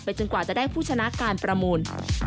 จนกว่าจะได้ผู้ชนะการประมูล